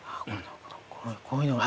こういうのが。